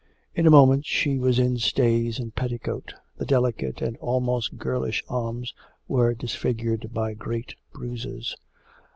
In a moment she was in stays and petticoat. The delicate and almost girlish arms were disfigured by great bruises.